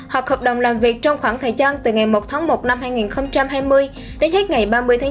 hoặc hợp đồng làm việc trong khoảng thời gian từ ngày một một hai nghìn hai mươi đến hết ngày ba mươi chín hai nghìn hai mươi một